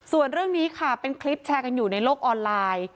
ส่วนเรื่องนี้ค่ะเป็นคลิปแชร์กันอยู่ในโลกออนไลน์